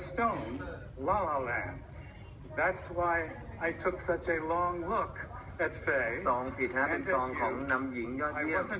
สองผิดเป็นซองของนำหญิงยอดเยี่ยม